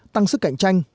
tăng sức cạnh tranh